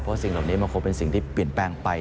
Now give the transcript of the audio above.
เพราะสิ่งเหล่านี้มันคงเป็นสิ่งที่เปลี่ยนแปลงไป